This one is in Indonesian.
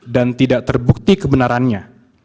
dan tidak terbukti kebenarannya